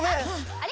あれ？